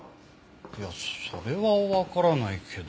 いやそれはわからないけど。